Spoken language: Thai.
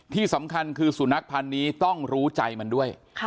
ที่สำคัญคือสุนัขพันธ์นี้ต้องรู้ใจมันด้วย